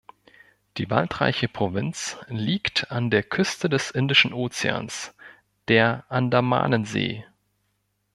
Die waldreiche Provinz liegt an der Küste des Indischen Ozeans, der Andamanensee.